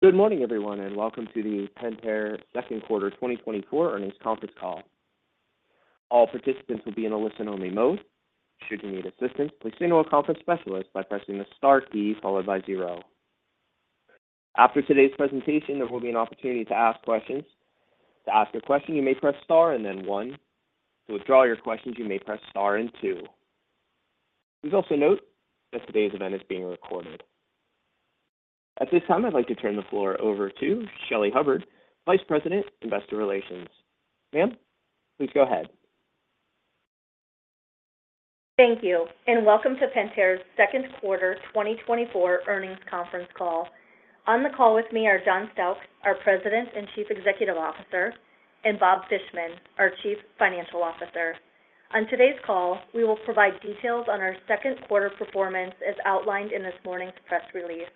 Good morning, everyone, and welcome to the Pentair Q2 2024 Earnings Conference Call. All participants will be in a listen-only mode. Should you need assistance, please signal a conference specialist by pressing the Star key, followed by zero. After today's presentation, there will be an opportunity to ask questions. To ask a question, you may press Star and then one. To withdraw your questions, you may press Star and two. Please also note that today's event is being recorded. At this time, I'd like to turn the floor over to Shelly Hubbard, Vice President, Investor Relations. Ma'am, please go ahead. Thank you, and welcome to Pentair's Q2 2024 Earnings Conference Call. On the call with me are John Stauch, our President and Chief Executive Officer, and Bob Fishman, our Chief Financial Officer. On today's call, we will provide details on our Q2 performance, as outlined in this morning's press release.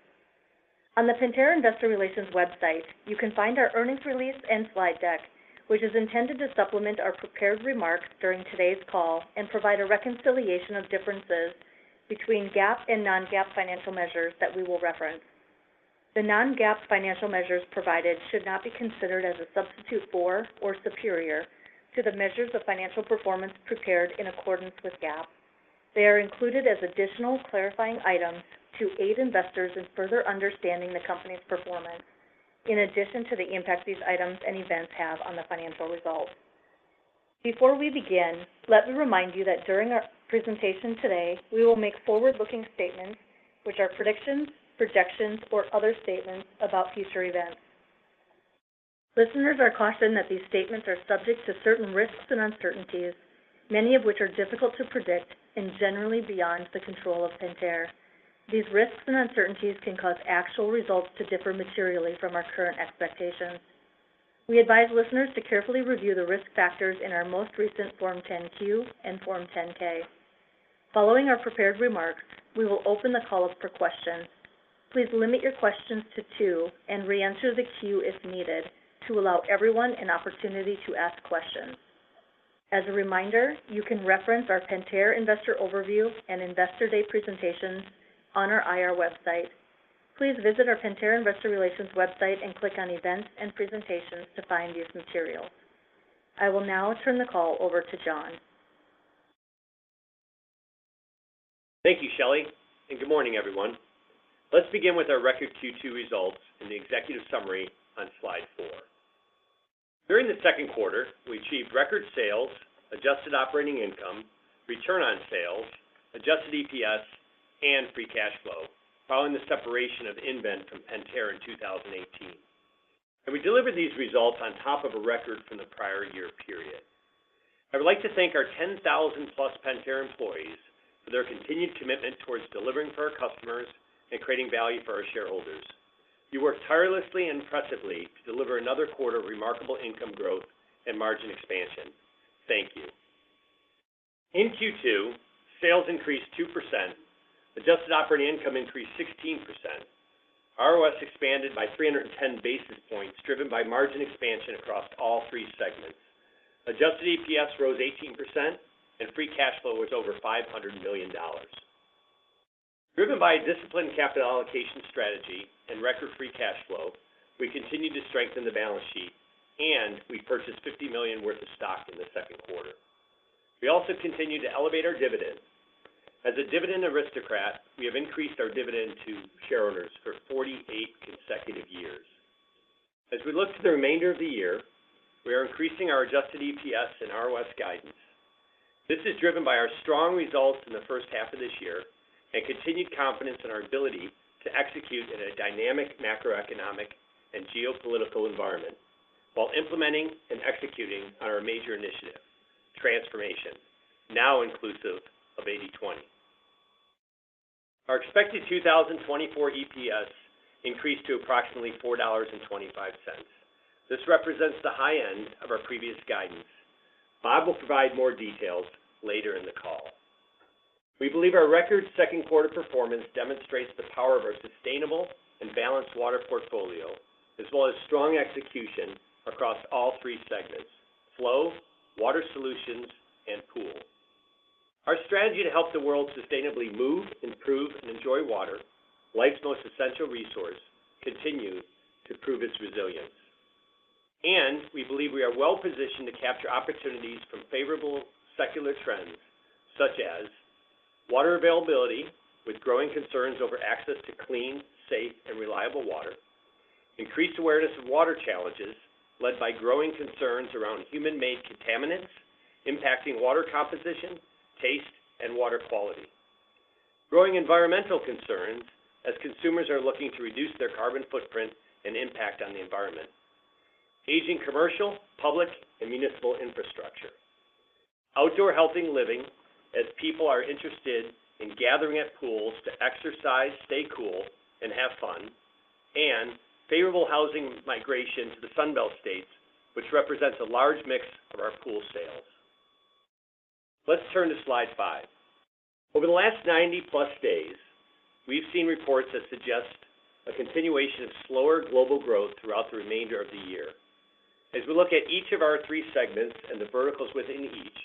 On the Pentair Investor Relations website, you can find our earnings release and slide deck, which is intended to supplement our prepared remarks during today's call and provide a reconciliation of differences between GAAP and non-GAAP financial measures that we will reference. The non-GAAP financial measures provided should not be considered as a substitute for or superior to the measures of financial performance prepared in accordance with GAAP. They are included as additional clarifying items to aid investors in further understanding the company's performance, in addition to the impact these items and events have on the financial results. Before we begin, let me remind you that during our presentation today, we will make forward-looking statements which are predictions, projections, or other statements about future events. Listeners are cautioned that these statements are subject to certain risks and uncertainties, many of which are difficult to predict and generally beyond the control of Pentair. These risks and uncertainties can cause actual results to differ materially from our current expectations. We advise listeners to carefully review the risk factors in our most recent Form 10-Q and Form 10-K. Following our prepared remarks, we will open the call up for questions. Please limit your questions to two and reenter the queue if needed to allow everyone an opportunity to ask questions. As a reminder, you can reference our Pentair Investor Overview and Investor Day presentations on our IR website. Please visit our Pentair Investor Relations website and click on Events and Presentations to find these materials. I will now turn the call over to John. Thank you, Shelley, and good morning, everyone. Let's begin with our record Q2 results and the executive summary on slide four. During the Q2, we achieved record sales, adjusted operating income, return on sales, adjusted EPS, and free cash flow, following the separation of nVent from Pentair in 2018. We delivered these results on top of a record from the prior year period. I would like to thank our 10,000+ Pentair employees for their continued commitment towards delivering for our customers and creating value for our shareholders. You worked tirelessly and impressively to deliver another quarter of remarkable income growth and margin expansion. Thank you. In Q2, sales increased 2%, adjusted operating income increased 16%. ROS expanded by 310 basis points, driven by margin expansion across all three segments. Adjusted EPS rose 18%, and free cash flow was over $500 million. Driven by a disciplined capital allocation strategy and record free cash flow, we continued to strengthen the balance sheet, and we purchased $50 million worth of stock in the Q2. We also continued to elevate our dividend. As a dividend aristocrat, we have increased our dividend to shareholders for 48 consecutive years. As we look to the remainder of the year, we are increasing our adjusted EPS and ROS guidance. This is driven by our strong results in the first half of this year and continued confidence in our ability to execute in a dynamic macroeconomic and geopolitical environment while implementing and executing on our major initiative, transformation, now inclusive of 80/20. Our expected 2024 EPS increased to approximately $4.25. This represents the high end of our previous guidance. Bob will provide more details later in the call. We believe our record Q2 performance demonstrates the power of our sustainable and balanced water portfolio, as well as strong execution across all three segments: Flow, Water Solutions, and Pool. Our strategy to help the world sustainably move, improve, and enjoy water, life's most essential resource, continue to prove its resilience. We believe we are well positioned to capture opportunities from favorable secular trends, such as: water availability, with growing concerns over access to clean, safe, and reliable water; increased awareness of water challenges led by growing concerns around human-made contaminants impacting water composition, taste, and water quality; growing environmental concerns as consumers are looking to reduce their carbon footprint and impact on the environment; aging commercial, public, and municipal infrastructure; outdoor healthy living, as people are interested in gathering at pools to exercise, stay cool, and have fun; and favorable housing migration to the Sun Belt states, which represents a large mix of our pool sales. Let's turn to slide five. Over the last 90+ days, we've seen reports that suggest a continuation of slower global growth throughout the remainder of the year.... As we look at each of our three segments and the verticals within each,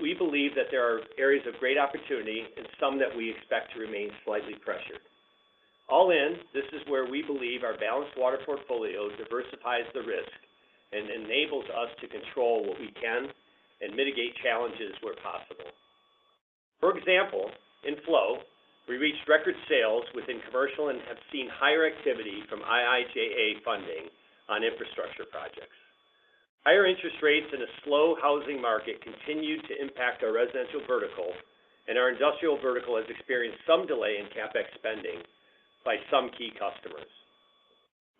we believe that there are areas of great opportunity and some that we expect to remain slightly pressured. All in, this is where we believe our balanced water portfolio diversifies the risk and enables us to control what we can and mitigate challenges where possible. For example, in Flow, we reached record sales within commercial and have seen higher activity from IIJA funding on infrastructure projects. Higher interest rates and a slow housing market continue to impact our residential vertical, and our industrial vertical has experienced some delay in CapEx spending by some key customers.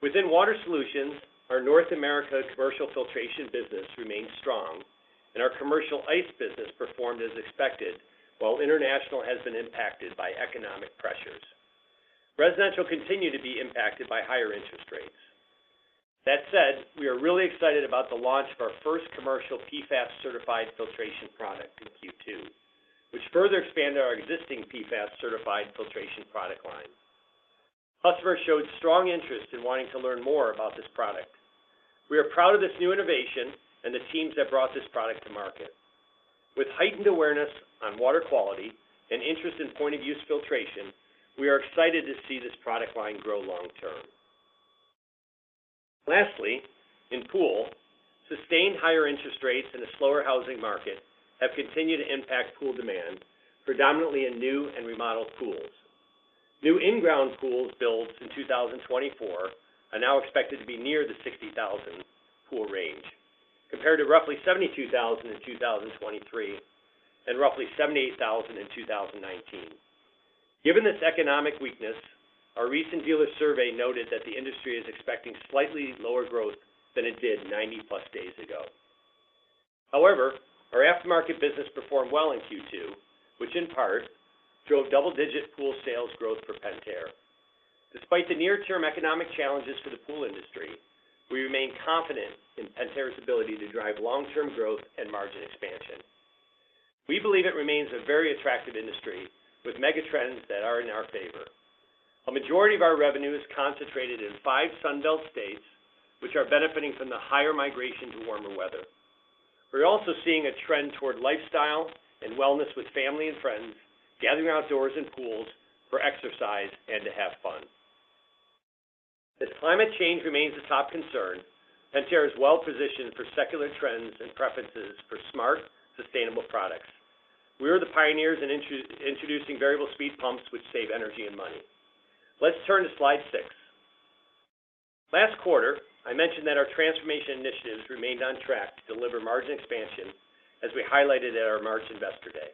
Within Water Solutions, our North America commercial filtration business remains strong, and our commercial ice business performed as expected, while international has been impacted by economic pressures. Residential continued to be impacted by higher interest rates. That said, we are really excited about the launch of our first commercial PFAS-certified filtration product in Q2, which further expanded our existing PFAS-certified filtration product line. Customers showed strong interest in wanting to learn more about this product. We are proud of this new innovation and the teams that brought this product to market. With heightened awareness on water quality and interest in point-of-use filtration, we are excited to see this product line grow long term. Lastly, in Pool, sustained higher interest rates and a slower housing market have continued to impact pool demand, predominantly in new and remodeled pools. New in-ground pools built in 2024 are now expected to be near the 60,000 pool range, compared to roughly 72,000 in 2023 and roughly 78,000 in 2019. Given this economic weakness, our recent dealer survey noted that the industry is expecting slightly lower growth than it did 90+ days ago. However, our aftermarket business performed well in Q2, which in part drove double-digit pool sales growth for Pentair. Despite the near-term economic challenges for the pool industry, we remain confident in Pentair's ability to drive long-term growth and margin expansion. We believe it remains a very attractive industry with megatrends that are in our favor. A majority of our revenue is concentrated in 5 Sun Belt states, which are benefiting from the higher migration to warmer weather. We're also seeing a trend toward lifestyle and wellness with family and friends, gathering outdoors in pools for exercise and to have fun. As climate change remains a top concern, Pentair is well positioned for secular trends and preferences for smart, sustainable products. We are the pioneers in introducing variable speed pumps, which save energy and money. Let's turn to Slide six. Last quarter, I mentioned that our transformation initiatives remained on track to deliver margin expansion, as we highlighted at our March Investor Day.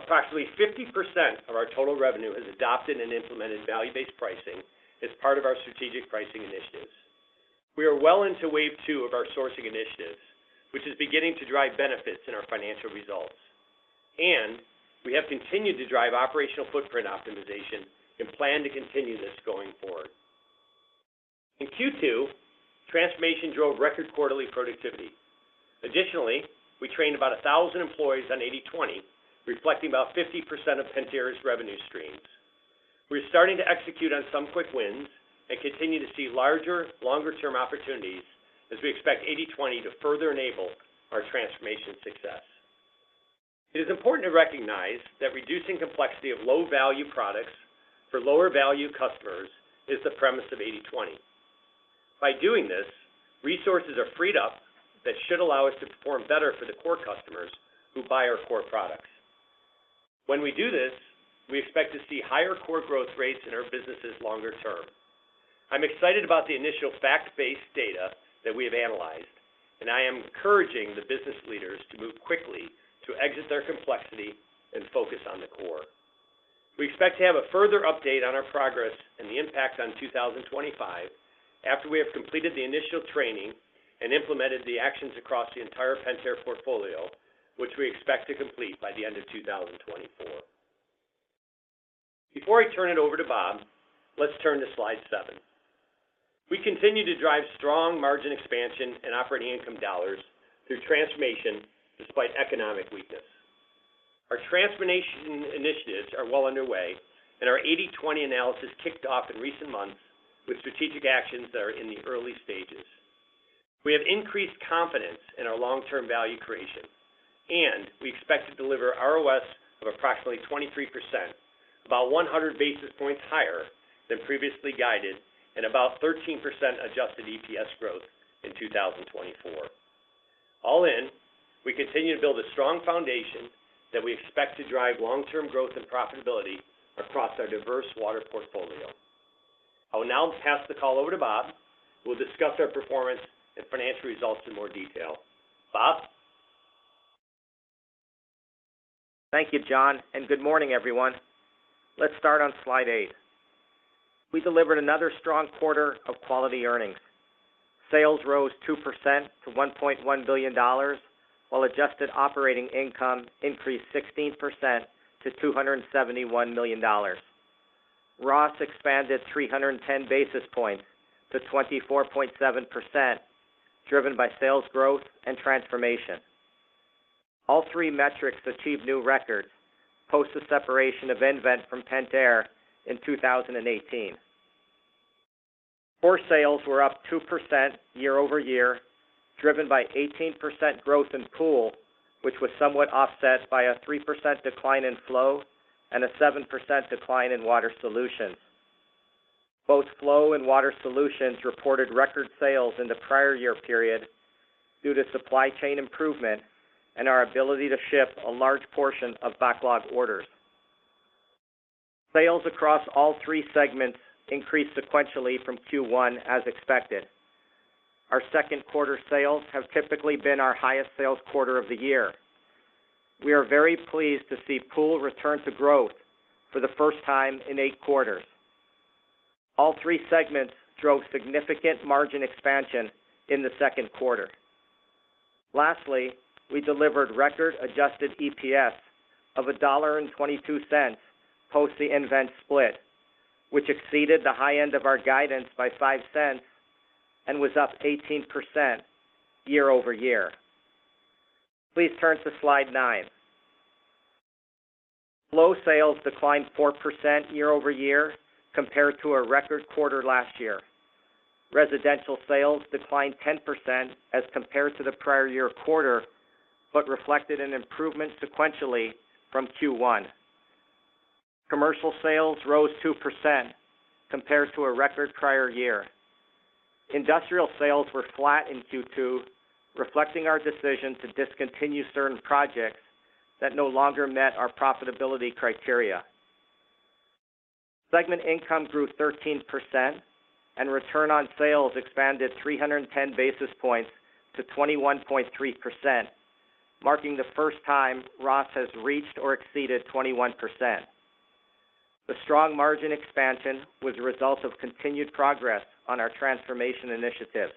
Approximately 50% of our total revenue has adopted and implemented value-based pricing as part of our strategic pricing initiatives. We are well into wave two of our sourcing initiatives, which is beginning to drive benefits in our financial results. We have continued to drive operational footprint optimization and plan to continue this going forward. In Q2, transformation drove record quarterly productivity. Additionally, we trained about 1,000 employees on 80/20, reflecting about 50% of Pentair's revenue streams. We're starting to execute on some quick wins and continue to see larger, longer-term opportunities as we expect 80/20 to further enable our transformation success. It is important to recognize that reducing complexity of low-value products for lower-value customers is the premise of 80/20. By doing this, resources are freed up that should allow us to perform better for the core customers who buy our core products. When we do this, we expect to see higher core growth rates in our businesses longer term. I'm excited about the initial fact-based data that we have analyzed, and I am encouraging the business leaders to move quickly to exit their complexity and focus on the core. We expect to have a further update on our progress and the impact on 2025 after we have completed the initial training and implemented the actions across the entire Pentair portfolio, which we expect to complete by the end of 2024. Before I turn it over to Bob, let's turn to Slide seven. We continue to drive strong margin expansion and operating income dollars through transformation despite economic weakness. Our transformation initiatives are well underway, and our 80/20 analysis kicked off in recent months with strategic actions that are in the early stages. We have increased confidence in our long-term value creation, and we expect to deliver ROS of approximately 23%, about 100 basis points higher than previously guided, and about 13% adjusted EPS growth in 2024. All in, we continue to build a strong foundation that we expect to drive long-term growth and profitability across our diverse water portfolio. I will now pass the call over to Bob, who will discuss our performance and financial results in more detail. Bob? Thank you, John, and good morning, everyone. Let's start on Slide eight. We delivered another strong quarter of quality earnings. Sales rose 2% to $1.1 billion, while adjusted operating income increased 16% to $271 million. ROS expanded 310 basis points to 24.7%, driven by sales growth and transformation.... All three metrics achieved new records post the separation of nVent from Pentair in 2018. Core sales were up 2% year-over-year, driven by 18% growth in pool, which was somewhat offset by a 3% decline in flow and a 7% decline in Water Solutions. Both flow and Water Solutions reported record sales in the prior year period due to supply chain improvement and our ability to ship a large portion of backlog orders. Sales across all three segments increased sequentially from Q1, as expected. Our Q2 sales have typically been our highest sales quarter of the year. We are very pleased to see pool return to growth for the first time in eight quarters. All three segments drove significant margin expansion in the Q2. Lastly, we delivered record adjusted EPS of $1.22 post the nVent split, which exceeded the high end of our guidance by $0.05 and was up 18% year-over-year. Please turn to slide nine. Flow sales declined 4% year-over-year compared to a record quarter last year. Residential sales declined 10% as compared to the prior year quarter, but reflected an improvement sequentially from Q1. Commercial sales rose 2% compared to a record prior year. Industrial sales were flat in Q2, reflecting our decision to discontinue certain projects that no longer met our profitability criteria. Segment income grew 13%, and return on sales expanded 310 basis points to 21.3%, marking the first time ROS has reached or exceeded 21%. The strong margin expansion was a result of continued progress on our transformation initiatives.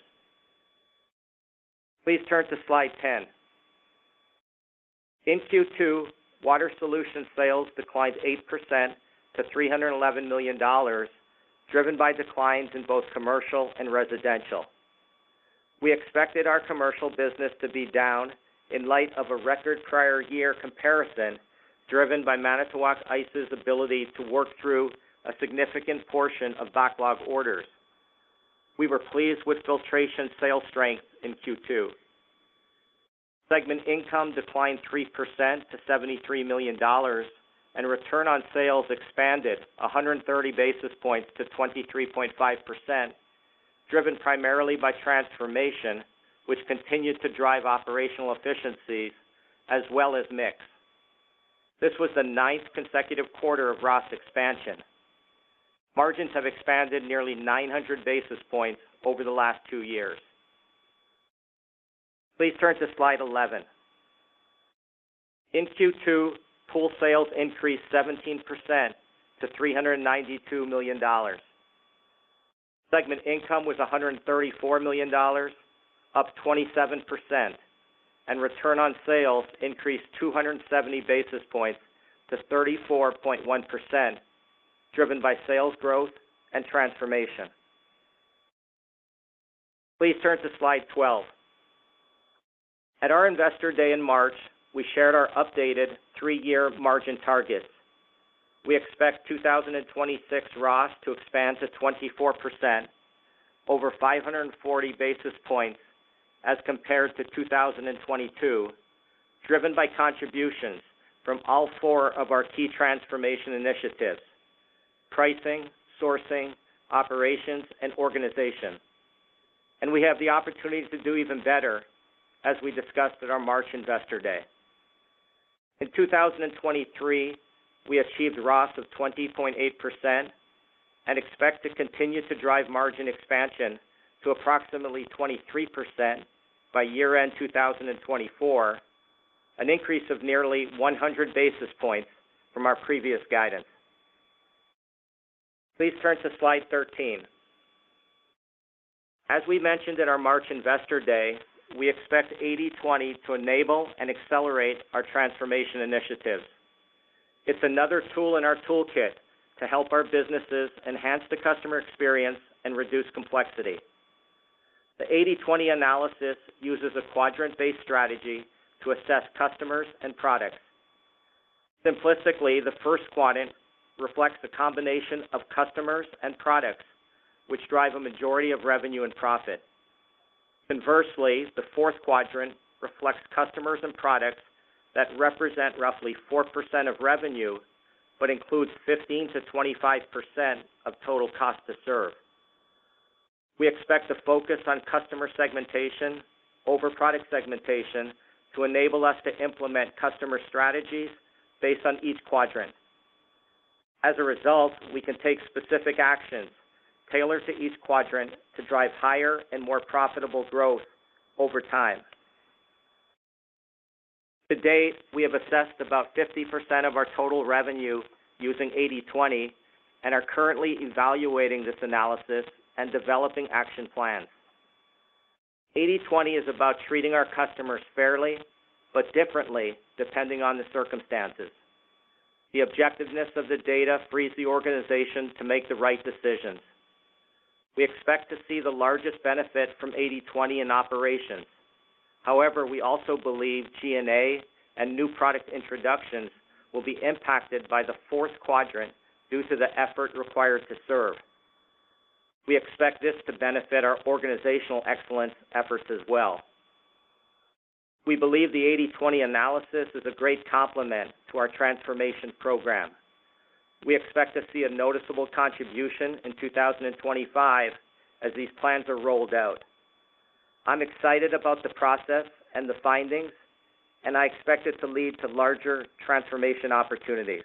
Please turn to slide 10. In Q2, Water Solutions sales declined 8% to $311 million, driven by declines in both commercial and residential. We expected our commercial business to be down in light of a record prior year comparison, driven by Manitowoc Ice's ability to work through a significant portion of backlog orders. We were pleased with filtration sales strength in Q2. Segment income declined 3% to $73 million, and return on sales expanded 130 basis points to 23.5%, driven primarily by transformation, which continued to drive operational efficiency as well as mix. This was the ninth consecutive quarter of ROS expansion. Margins have expanded nearly 900 basis points over the last two years. Please turn to slide 11. In Q2, pool sales increased 17% to $392 million. Segment income was $134 million, up 27%, and return on sales increased 270 basis points to 34.1%, driven by sales growth and transformation. Please turn to slide 12. At our Investor Day in March, we shared our updated 3-year margin targets. We expect 2026 ROS to expand to 24%, over 540 basis points as compared to 2022, driven by contributions from all four of our key transformation initiatives: pricing, sourcing, operations, and organization. And we have the opportunities to do even better, as we discussed at our March Investor Day. In 2023, we achieved ROS of 20.8% and expect to continue to drive margin expansion to approximately 23% by year-end 2024, an increase of nearly 100 basis points from our previous guidance. Please turn to slide 13. As we mentioned in our March Investor Day, we expect 80/20 to enable and accelerate our transformation initiatives. It's another tool in our toolkit to help our businesses enhance the customer experience and reduce complexity. The 80/20 analysis uses a quadrant-based strategy to assess customers and products. Simplistically, the first quadrant reflects the combination of customers and products which drive a majority of revenue and profit. Conversely, the fourth quadrant reflects customers and products that represent roughly 4% of revenue, but includes 15%-25% of total cost to serve. We expect to focus on customer segmentation over product segmentation to enable us to implement customer strategies based on each quadrant. As a result, we can take specific actions tailored to each quadrant to drive higher and more profitable growth over time. To date, we have assessed about 50% of our total revenue using 80/20 and are currently evaluating this analysis and developing action plans. 80/20 is about treating our customers fairly but differently, depending on the circumstances. The objectivity of the data frees the organization to make the right decisions.... We expect to see the largest benefit from 80/20 in operations. However, we also believe G&A and new product introductions will be impacted by the fourth quadrant due to the effort required to serve. We expect this to benefit our organizational excellence efforts as well. We believe the 80/20 analysis is a great complement to our transformation program. We expect to see a noticeable contribution in 2025 as these plans are rolled out. I'm excited about the process and the findings, and I expect it to lead to larger transformation opportunities.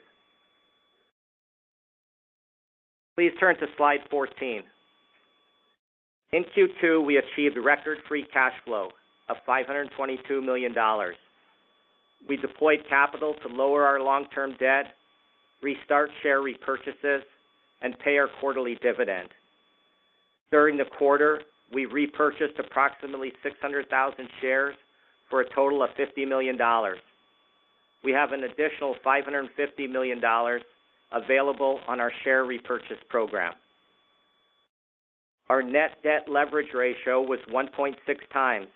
Please turn to slide 14. In Q2, we achieved a record free cash flow of $522 million. We deployed capital to lower our long-term debt, restart share repurchases, and pay our quarterly dividend. During the quarter, we repurchased approximately 600,000 shares for a total of $50 million. We have an additional $550 million available on our share repurchase program. Our net debt leverage ratio was 1.6 times,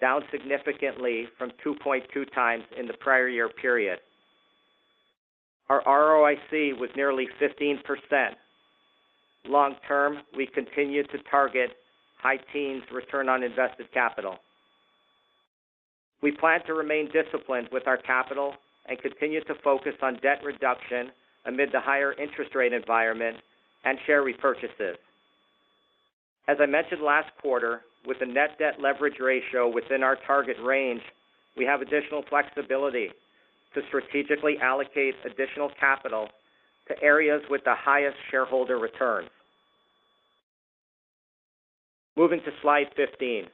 down significantly from 2.2 times in the prior year period. Our ROIC was nearly 15%. Long term, we continue to target high teens return on invested capital. We plan to remain disciplined with our capital and continue to focus on debt reduction amid the higher interest rate environment and share repurchases. As I mentioned last quarter, with the net debt leverage ratio within our target range, we have additional flexibility to strategically allocate additional capital to areas with the highest shareholder return. Moving to slide 15.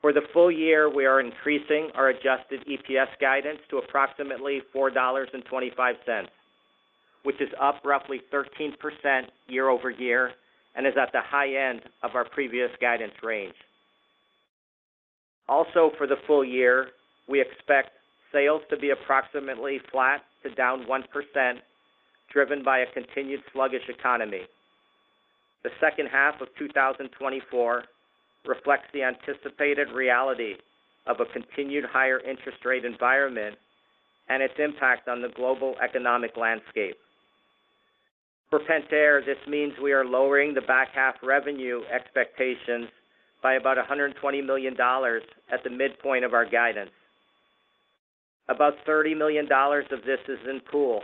For the full year, we are increasing our adjusted EPS guidance to approximately $4.25, which is up roughly 13% year-over-year and is at the high end of our previous guidance range. Also, for the full year, we expect sales to be approximately flat to down 1%, driven by a continued sluggish economy. The second half of 2024 reflects the anticipated reality of a continued higher interest rate environment and its impact on the global economic landscape. For Pentair, this means we are lowering the back half revenue expectations by about $120 million at the midpoint of our guidance. About $30 million of this is in pool,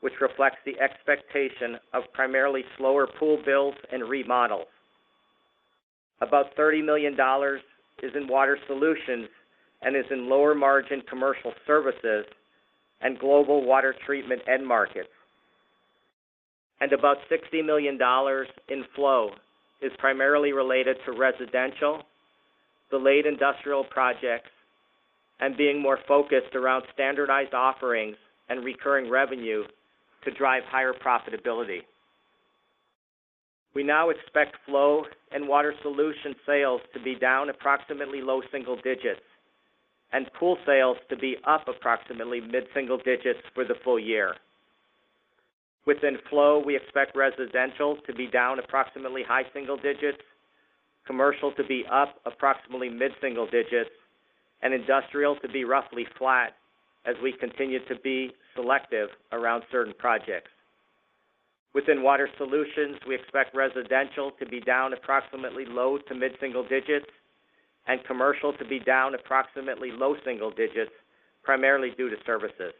which reflects the expectation of primarily slower pool builds and remodels. About $30 million is in Water Solutions and is in lower-margin commercial services and global water treatment end markets. About $60 million in flow is primarily related to residential, delayed industrial projects, and being more focused around standardized offerings and recurring revenue to drive higher profitability. We now expect flow and Water Wolution sales to be down approximately low single digits, and pool sales to be up approximately mid-single digits for the full year. Within flow, we expect residential to be down approximately high single digits, commercial to be up approximately mid-single digits, and industrial to be roughly flat as we continue to be selective around certain projects. Within Water Solutions, we expect residential to be down approximately low to mid-single digits and commercial to be down approximately low single digits, primarily due to services.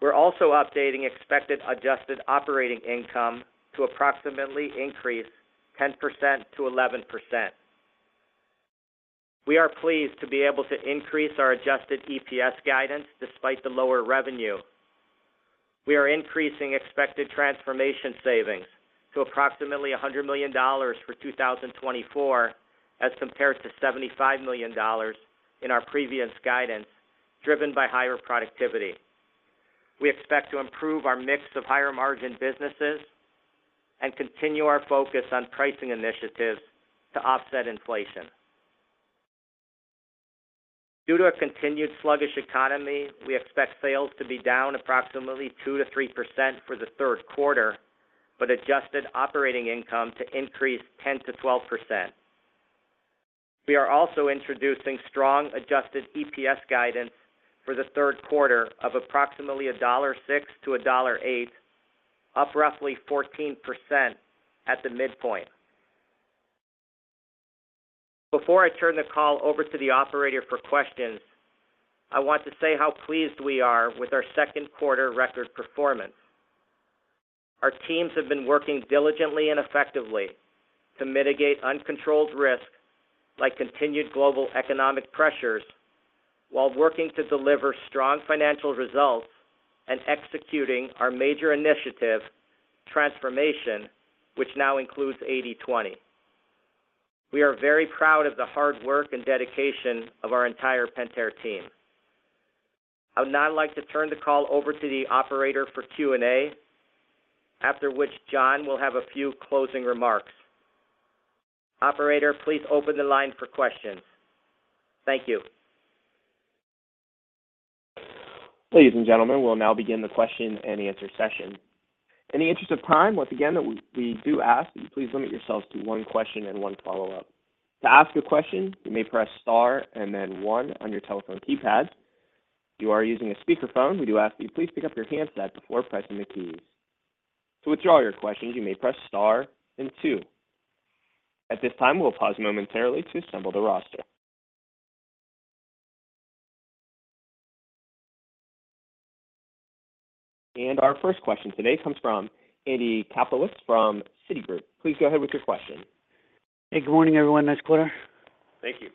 We're also updating expected adjusted operating income to approximately increase 10%-11%. We are pleased to be able to increase our adjusted EPS guidance despite the lower revenue. We are increasing expected transformation savings to approximately $100 million for 2024, as compared to $75 million in our previous guidance, driven by higher productivity. We expect to improve our mix of higher-margin businesses and continue our focus on pricing initiatives to offset inflation. Due to a continued sluggish economy, we expect sales to be down approximately 2%-3% for the Q3, but adjusted operating income to increase 10%-12%. We are also introducing strong adjusted EPS guidance for the Q3 of approximately $1.06-$1.08, up roughly 14% at the midpoint. Before I turn the call over to the operator for questions, I want to say how pleased we are with our Q2 record performance. Our teams have been working diligently and effectively to mitigate uncontrolled risk, like continued global economic pressures, while working to deliver strong financial results and executing our major initiative, transformation, which now includes 80/20. We are very proud of the hard work and dedication of our entire Pentair team. I would now like to turn the call over to the operator for Q&A, after which John will have a few closing remarks. Operator, please open the line for questions. Thank you. ... Ladies and gentlemen, we'll now begin the question and answer session. In the interest of time, once again, we do ask that you please limit yourselves to one question and one follow-up. To ask a question, you may press star and then one on your telephone keypad. If you are using a speakerphone, we do ask that you please pick up your handset before pressing the keys. To withdraw your question, you may press star and two. At this time, we'll pause momentarily to assemble the roster. Our first question today comes from Andy Kaplowitz from Citigroup. Please go ahead with your question. Hey, good morning, everyone. Nice quarter. Thank you.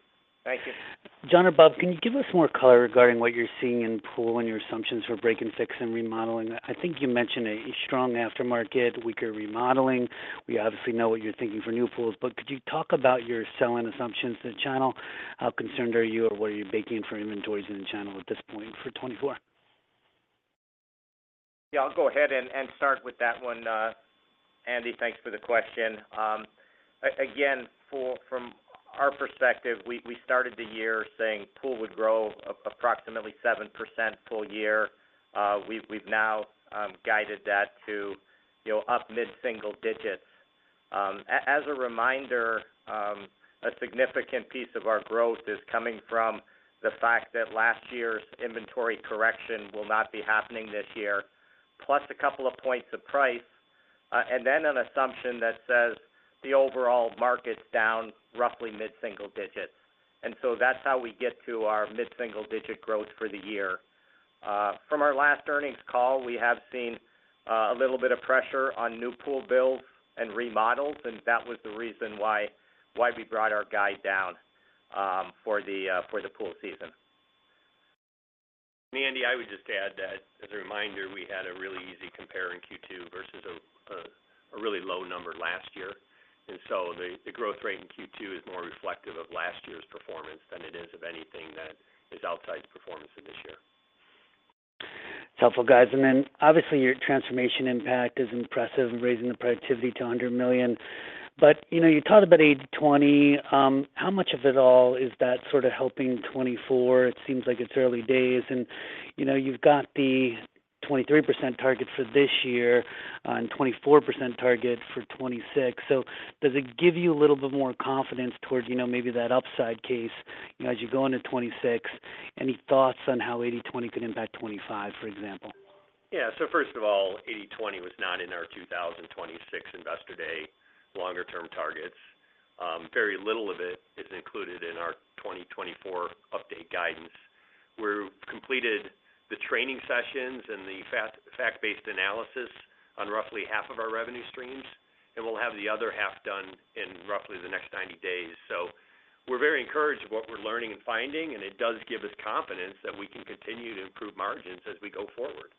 Thank you. John or Bob, can you give us more color regarding what you're seeing in pool and your assumptions for break and fix and remodeling? I think you mentioned a strong aftermarket, weaker remodeling. We obviously know what you're thinking for new pools, but could you talk about your sell-in assumptions to the channel? How concerned are you, or what are you baking for inventories in the channel at this point for 2024? Yeah, I'll go ahead and start with that one, Andy, thanks for the question. Again, pool, from our perspective, we started the year saying pool would grow approximately 7% full year. We've now guided that to, you know, up mid single digits. As a reminder, a significant piece of our growth is coming from the fact that last year's inventory correction will not be happening this year, plus a couple of points of price, and then an assumption that says the overall market's down roughly mid single digits. And so that's how we get to our mid single digit growth for the year. From our last earnings call, we have seen a little bit of pressure on new pool builds and remodels, and that was the reason why we brought our guide down for the pool season. And Andy, I would just add that as a reminder, we had a really easy compare in Q2 versus a really low number last year. And so the growth rate in Q2 is more reflective of last year's performance than it is of anything that is outside performance for this year. It's helpful, guys. And then obviously, your transformation impact is impressive in raising the productivity to $100 million. But, you know, you talked about 80/20. How much of it all is that sort of helping 2024? It seems like it's early days, and, you know, you've got the 23% target for this year and 24% target for 2026. So does it give you a little bit more confidence towards, you know, maybe that upside case, you know, as you go into 2026? Any thoughts on how 80/20 could impact 2025, for example? Yeah. So first of all, 80/20 was not in our 2026 Investor Day longer-term targets. Very little of it is included in our 2024 update guidance. We've completed the training sessions and the fact-based analysis on roughly half of our revenue streams, and we'll have the other half done in roughly the next 90 days. So we're very encouraged of what we're learning and finding, and it does give us confidence that we can continue to improve margins as we go forward.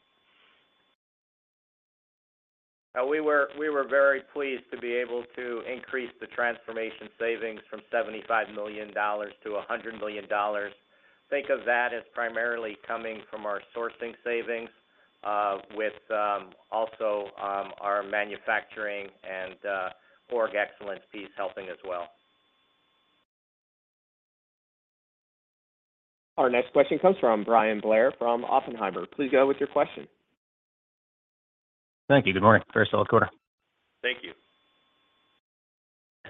We were very pleased to be able to increase the Transformation savings from $75 million to $100 million. Think of that as primarily coming from our sourcing savings, with also our manufacturing and org excellence piece helping as well. Our next question comes from Bryan Blair, from Oppenheimer. Please go with your question. Thank you. Good morning. Very solid quarter. Thank you.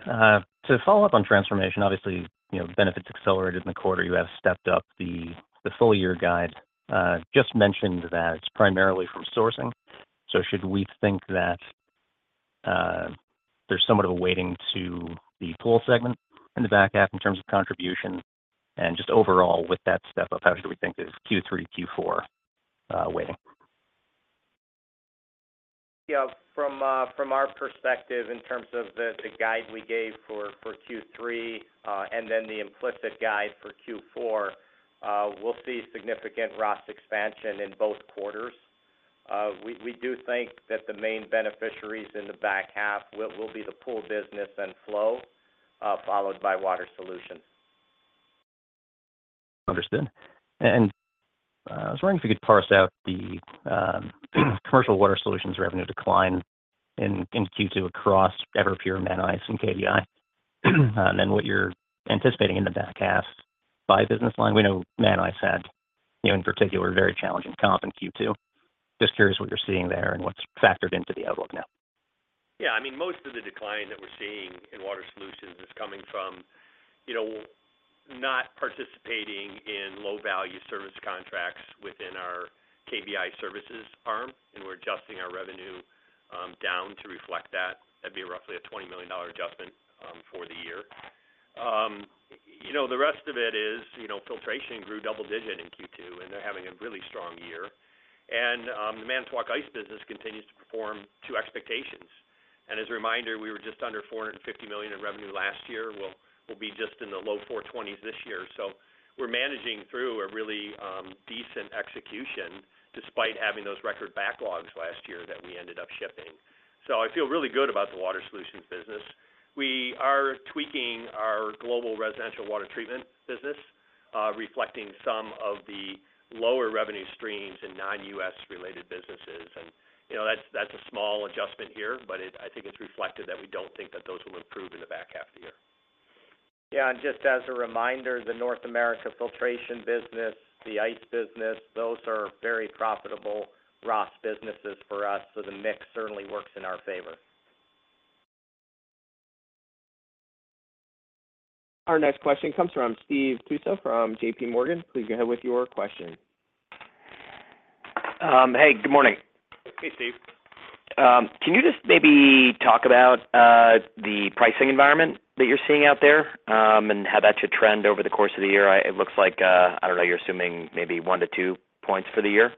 To follow up on transformation, obviously, you know, benefits accelerated in the quarter. You have stepped up the full year guide, just mentioned that it's primarily from sourcing. So should we think that there's somewhat of a weighting to the pool segment in the back half in terms of contribution? And just overall, with that step up, how should we think is Q3, Q4 weighting? Yeah, from our perspective, in terms of the guide we gave for Q3, and then the implicit guide for Q4, we'll see significant ROS expansion in both quarters. We do think that the main beneficiaries in the back half will be the pool business and flow, followed by Water Solutions. Understood. And I was wondering if you could parse out the commercial Water Solutions revenue decline in Q2 across Everpure, Manitowoc Ice, and KBI. And then what you're anticipating in the back half by business line. We know Manitowoc had, you know, in particular, very challenging comp in Q2. Just curious what you're seeing there and what's factored into the outlook now. Yeah, I mean, most of the decline that we're seeing in Water Solutions is coming from, you know, not participating in low-value service contracts within our KBI services arm, and we're adjusting our revenue down to reflect that. That'd be roughly a $20 million adjustment for the year. You know, the rest of it is, you know, filtration grew double-digit in Q2, and they're having a really strong year. And, the Manitowoc Ice business continues to perform to expectations. And as a reminder, we were just under $450 million in revenue last year. We'll, we'll be just in the low $420s this year. So we're managing through a really decent execution, despite having those record backlogs last year that we ended up shipping. So I feel really good about the Water Solutions business. We are tweaking our global residential water treatment business, reflecting some of the lower revenue streams in non-U.S. related businesses. You know, that's a small adjustment here, but it, I think it's reflective that we don't think that those will improve in the back half of the year.... Yeah, and just as a reminder, the North America filtration business, the ice business, those are very profitable ROS businesses for us, so the mix certainly works in our favor. Our next question comes from Stephen Tusa from J.P. Morgan. Please go ahead with your question. Hey, good morning. Hey, Steve. Can you just maybe talk about the pricing environment that you're seeing out there, and how that should trend over the course of the year? It looks like, I don't know, you're assuming maybe one-two points for the year.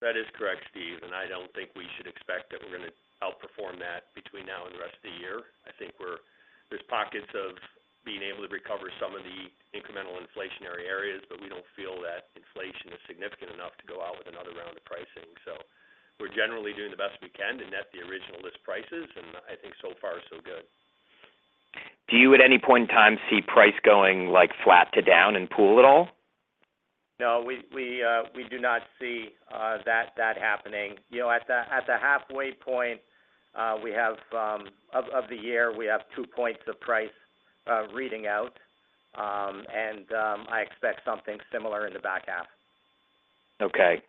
That is correct, Steve, and I don't think we should expect that we're gonna outperform that between now and the rest of the year. I think there's pockets of being able to recover some of the incremental inflationary areas, but we don't feel that inflation is significant enough to go out with another round of pricing. So we're generally doing the best we can to net the original list prices, and I think so far, so good. Do you, at any point in time, see price going like, flat to down in pool at all? No, we do not see that happening. You know, at the halfway point of the year, we have 2 points of price reading out. I expect something similar in the back half. Okay,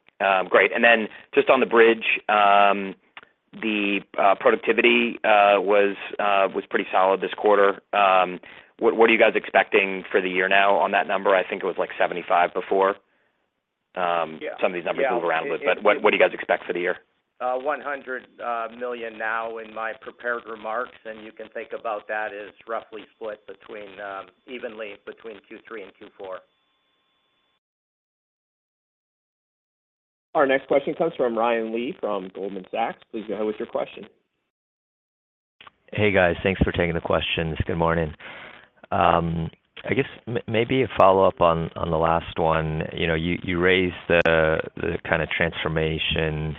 great. And then just on the bridge, the productivity was pretty solid this quarter. What are you guys expecting for the year now on that number? I think it was like 75 before. Yeah. Some of these numbers move around a little, but what, what do you guys expect for the year? $100 million now in my prepared remarks, and you can think about that as roughly split between evenly between Q3 and Q4. Our next question comes from Ryan Lee, from Goldman Sachs. Please go ahead with your question. Hey, guys. Thanks for taking the questions. Good morning. I guess maybe a follow-up on, on the last one. You know, you, you raised the, the kind of transformation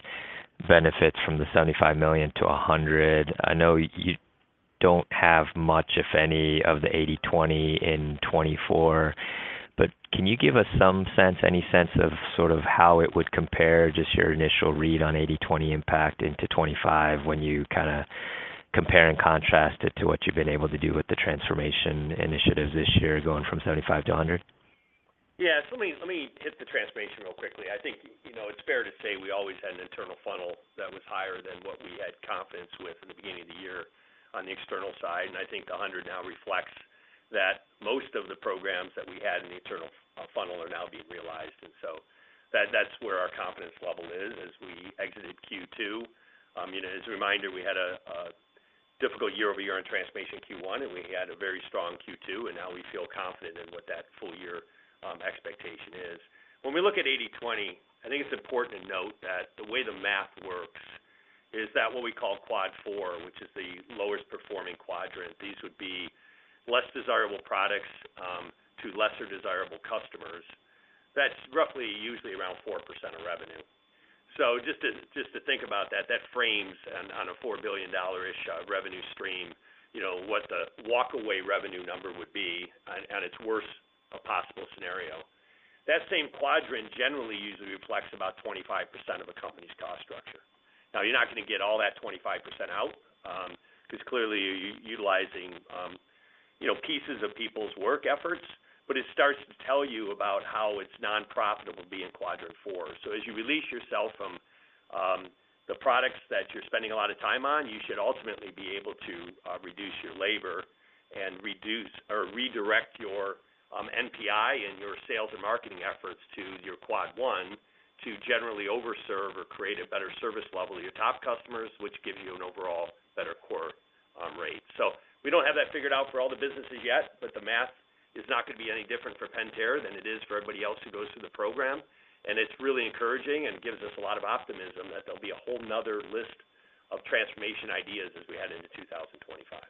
benefits from the $75 million to $100 million. I know you don't have much, if any, of the 80/20 in 2024, but can you give us some sense, any sense of sort of how it would compare, just your initial read on 80/20 impact into 2025 when you kind of compare and contrast it to what you've been able to do with the transformation initiatives this year, going from $75 million to $100 million? Yeah, so let me, let me hit the transformation real quickly. I think, you know, it's fair to say we always had an internal funnel that was higher than what we had confidence with in the beginning of the year on the external side. And I think the 100 now reflects that most of the programs that we had in the internal funnel are now being realized. And so that's where our confidence level is as we exited Q2. You know, as a reminder, we had a difficult year-over-year in transformation Q1, and we had a very strong Q2, and now we feel confident in what that full year expectation is. When we look at 80/20, I think it's important to note that the way the math works is that what we call quad four, which is the lowest performing quadrant, these would be less desirable products to lesser desirable customers. That's roughly usually around 4% of revenue. So just to think about that, that frames on a $4 billion-ish revenue stream, you know, what the walk away revenue number would be at its worst, a possible scenario. That same quadrant generally usually reflects about 25% of a company's cost structure. Now, you're not gonna get all that 25% out, 'cause clearly you're utilizing, you know, pieces of people's work efforts, but it starts to tell you about how it's non-profitable being in quadrant four. So as you release yourself from the products that you're spending a lot of time on, you should ultimately be able to reduce your labor and reduce or redirect your NPI and your sales and marketing efforts to your quad one, to generally overserve or create a better service level to your top customers, which gives you an overall better core rate. So we don't have that figured out for all the businesses yet, but the math is not gonna be any different for Pentair than it is for everybody else who goes through the program. And it's really encouraging and gives us a lot of optimism that there'll be a whole other list of transformation ideas as we head into 2025. Okay.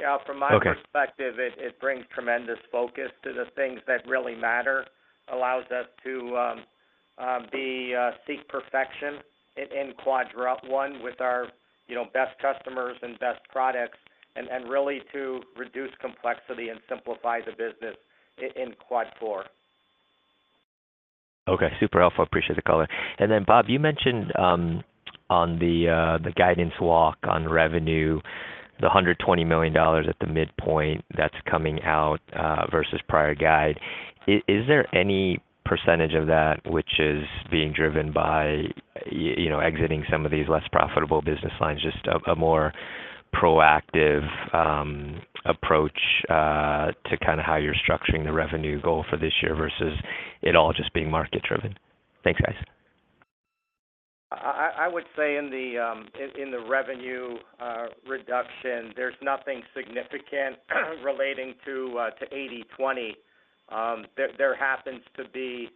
Yeah, from my perspective, it brings tremendous focus to the things that really matter. It allows us to seek perfection in quadrant one with our, you know, best customers and best products, and really to reduce complexity and simplify the business in quad four. Okay, super helpful. Appreciate the color. And then, Bob, you mentioned, on the, the guidance walk on revenue, the $120 million at the midpoint that's coming out, versus prior guide. Is there any percentage of that which is being driven by, you know, exiting some of these less profitable business lines, just a more proactive, approach, to kind of how you're structuring the revenue goal for this year versus it all just being market driven? Thanks, guys. I would say in the revenue reduction, there's nothing significant relating to 80/20. There happens to be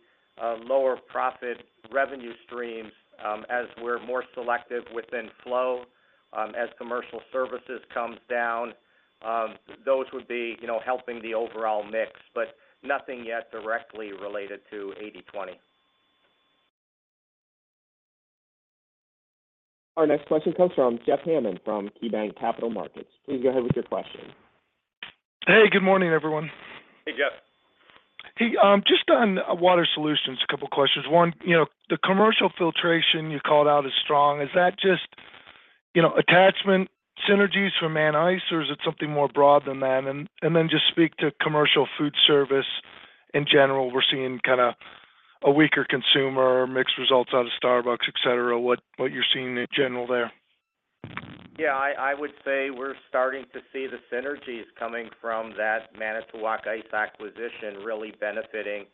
lower profit revenue streams as we're more selective within flow, as commercial services comes down, those would be, you know, helping the overall mix, but nothing yet directly related to 80/20. Our next question comes from Jeff Hammond, from KeyBanc Capital Markets. Please go ahead with your question. Hey, good morning, everyone. Hey, Jeff.... Hey, just on Water Solutions, a couple questions. One, you know, the commercial filtration you called out as strong, is that just, you know, attachment synergies from Manitowoc Ice, or is it something more broad than that? And then just speak to commercial food service in general. We're seeing kinda a weaker consumer or mixed results out of Starbucks, et cetera. What you're seeing in general there? Yeah, I would say we're starting to see the synergies coming from that Manitowoc Ice acquisition really benefiting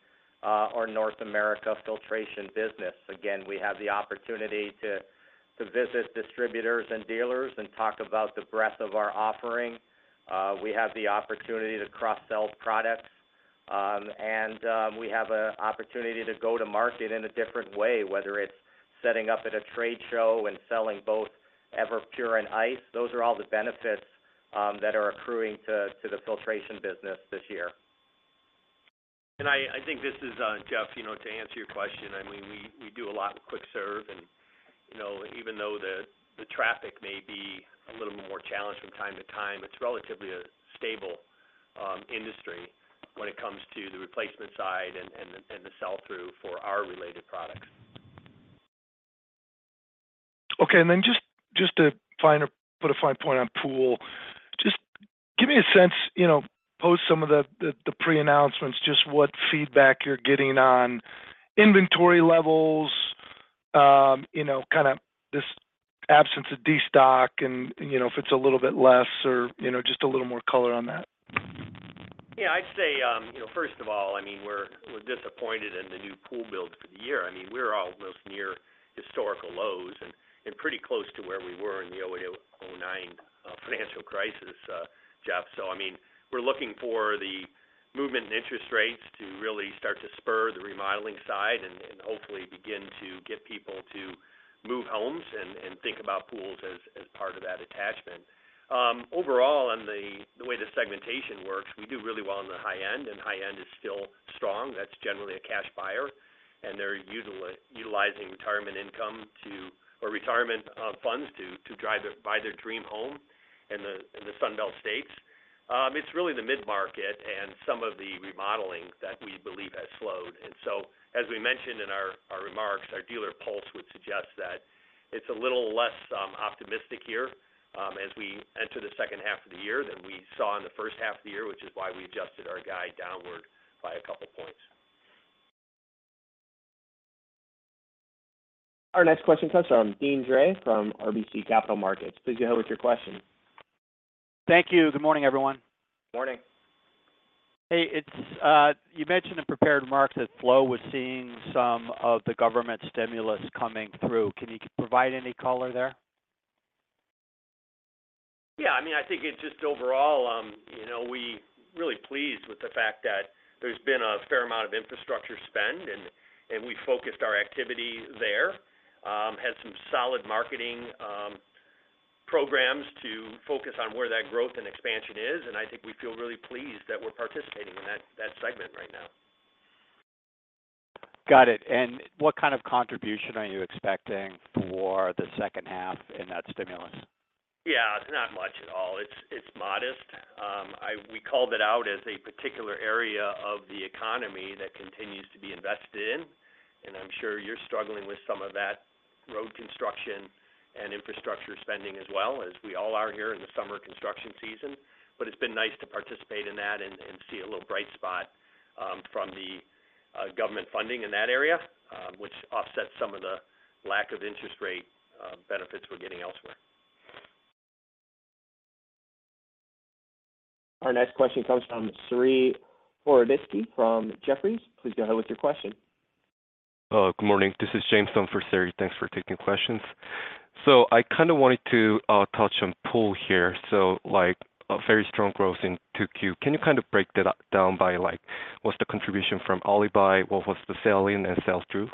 our North America filtration business. Again, we have the opportunity to visit distributors and dealers and talk about the breadth of our offering. We have the opportunity to cross-sell products, and we have an opportunity to go to market in a different way, whether it's setting up at a trade show and selling both Everpure and Ice. Those are all the benefits that are accruing to the filtration business this year. I think this is, Jeff, you know, to answer your question, I mean, we do a lot with quick serve, and, you know, even though the traffic may be a little more challenged from time to time, it's relatively a stable industry when it comes to the replacement side and the sell-through for our related products. Okay. And then just, just to put a fine point on pool, just give me a sense, you know, post some of the pre-announcements, just what feedback you're getting on inventory levels, you know, kinda this absence of destock and, you know, if it's a little bit less or, you know, just a little more color on that. Yeah, I'd say, you know, first of all, I mean, we're disappointed in the new pool builds for the year. I mean, we're almost near historical lows and pretty close to where we were in the 2008, 2009 financial crisis, Jeff. So I mean, we're looking for the movement in interest rates to really start to spur the remodeling side and hopefully begin to get people to move homes and think about pools as part of that attachment. Overall, on the way the segmentation works, we do really well in the high end, and high end is still strong. That's generally a cash buyer, and they're utilizing retirement income to, or retirement funds to drive their buy their dream home in the Sun Belt states. It's really the mid-market and some of the remodeling that we believe has slowed. And so, as we mentioned in our remarks, our dealer pulse would suggest that it's a little less optimistic here, as we enter the second half of the year than we saw in the first half of the year, which is why we adjusted our guide downward by a couple of points. Our next question comes from Deane Dray from RBC Capital Markets. Please go ahead with your question. Thank you. Good morning, everyone. Morning. Hey, it's, you mentioned in prepared remarks that Flow was seeing some of the government stimulus coming through. Can you provide any color there? Yeah, I mean, I think it's just overall, you know, we really pleased with the fact that there's been a fair amount of infrastructure spend, and, and we focused our activity there, had some solid marketing programs to focus on where that growth and expansion is, and I think we feel really pleased that we're participating in that, that segment right now. Got it. And what kind of contribution are you expecting for the second half in that stimulus? Yeah, it's not much at all. It's, it's modest. We called it out as a particular area of the economy that continues to be invested in, and I'm sure you're struggling with some of that road construction and infrastructure spending as well, as we all are here in the summer construction season. But it's been nice to participate in that and, and see a little bright spot, from the, government funding in that area, which offsets some of the lack of interest rate, benefits we're getting elsewhere. Our next question comes from Saree Boroditsky from Jefferies. Please go ahead with your question. Good morning. This is James in for Saree. Thanks for taking questions. So I kind of wanted to touch on pool here. So, like, a very strong growth in 2Q. Can you kind of break that up down by, like, what's the contribution from early buy? What was the sell-in and sell-through?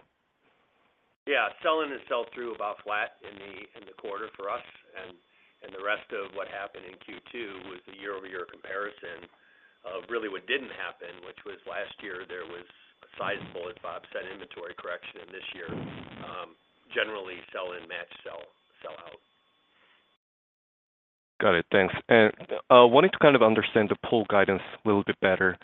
Yeah, sell-in and sell-through, about flat in the quarter for us, and the rest of what happened in Q2 was the year-over-year comparison of really what didn't happen, which was last year, there was a sizable, about percent inventory correction, and this year, generally, sell-in matched sell out. Got it. Thanks. Wanting to kind of understand the pool guidance a little bit better.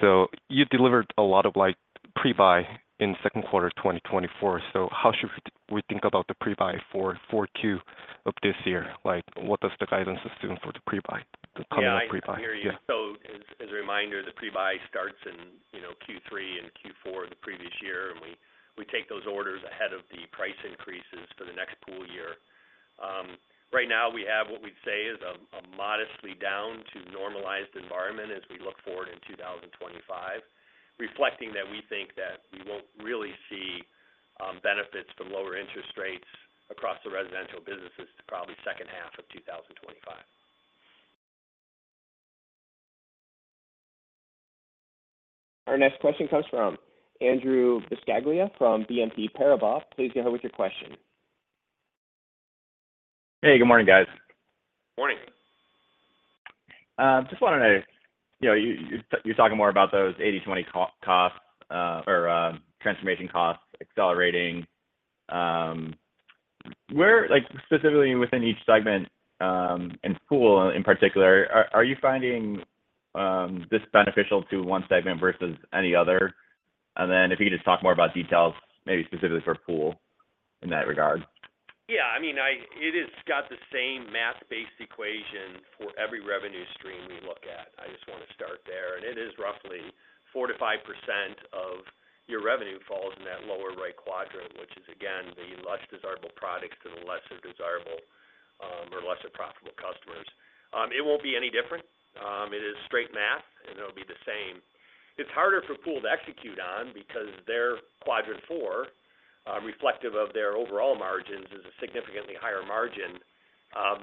So you delivered a lot of, like, pre-buy in Q2 of 2024. So how should we think about the pre-buy for Q4 of this year? Like, what does the guidance assume for the pre-buy, the current pre-buy? Yeah, I hear you. Yeah. So as a reminder, the pre-buy starts in, you know, Q3 and Q4 the previous year, and we take those orders ahead of the price increases for the next pool year. Right now, we have what we'd say is a modestly down to normalized environment as we look forward in 2025, reflecting that we think that we won't really see benefits from lower interest rates across the residential businesses to probably second half of 2025. Our next question comes from Andrew Buscaglia from BNP Paribas. Please go ahead with your question. Hey, good morning, guys. Morning. Just wanted to know, you know, you, you're talking more about those 80/20 costs.... transformation costs accelerating. Where, like, specifically within each segment, and pool in particular, are you finding this beneficial to one segment versus any other? And then if you could just talk more about details, maybe specifically for pool in that regard. Yeah, I mean, it has got the same math-based equation for every revenue stream we look at. I just want to start there, and it is roughly 4%-5% of your revenue falls in that lower right quadrant, which is, again, the less desirable products to the less desirable, or less profitable customers. It won't be any different. It is straight math, and it'll be the same. It's harder for Pool to execute on because their quadrant four, reflective of their overall margins, is a significantly higher margin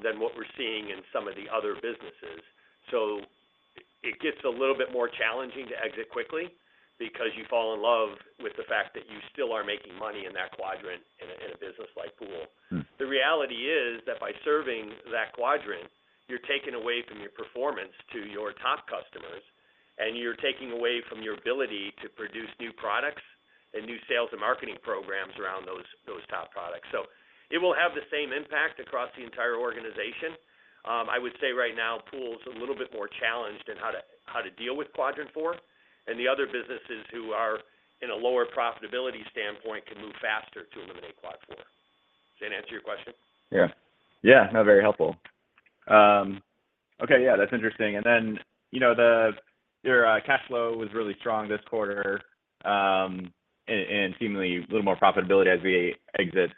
than what we're seeing in some of the other businesses. So it gets a little bit more challenging to exit quickly because you fall in love with the fact that you still are making money in that quadrant in a business like Pool. Mm. The reality is that by serving that quadrant, you're taking away from your performance to your top customers, and you're taking away from your ability to produce new products and new sales and marketing programs around those top products. It will have the same impact across the entire organization. I would say right now, Pool is a little bit more challenged in how to deal with quadrant four, and the other businesses who are in a lower profitability standpoint can move faster to eliminate quad four. Does that answer your question? Yeah. Yeah, no, very helpful. Okay, yeah, that's interesting. And then, you know, the—your cash flow was really strong this quarter, and seemingly a little more profitability as we exit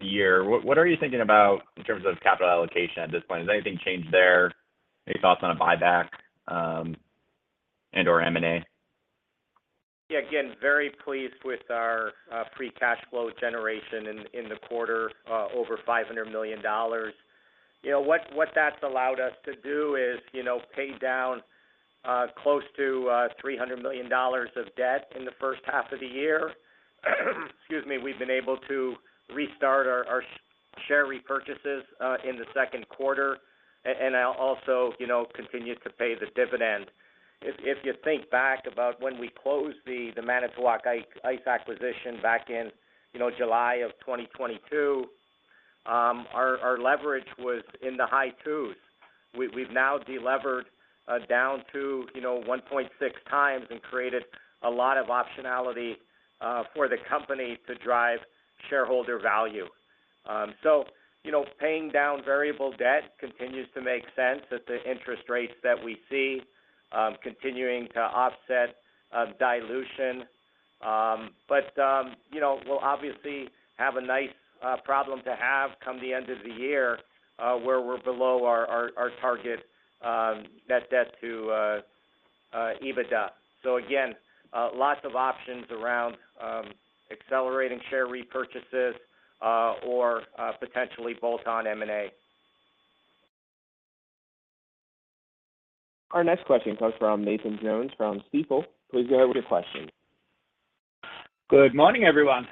the year. What are you thinking about in terms of capital allocation at this point? Has anything changed there? Any thoughts on a buyback, and/or M&A? Yeah, again, very pleased with our free cash flow generation in the quarter, over $500 million. You know, what that's allowed us to do is, you know, pay down close to $300 million of debt in the first half of the year. Excuse me. We've been able to restart our share repurchases in the Q2, and also, you know, continue to pay the dividend. If you think back about when we closed the Manitowoc Ice acquisition back in, you know, July of 2022, our leverage was in the high 2s. We've now delevered down to, you know, 1.6 times and created a lot of optionality for the company to drive shareholder value. So, you know, paying down variable debt continues to make sense at the interest rates that we see, continuing to offset dilution. But, you know, we'll obviously have a nice problem to have come the end of the year, where we're below our target net debt to EBITDA. So again, lots of options around accelerating share repurchases, or potentially bolt-on M&A. Our next question comes from Nathan Jones from Stifel. Please go ahead with your question. Good morning, everyone.